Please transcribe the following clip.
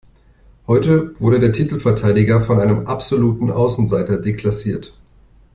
Heute wurde der Titelverteidiger von einem absoluten Außenseiter deklassiert.